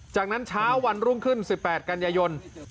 จากนั้นเช้าวันรุ่งขึ้น๑๘กันยายน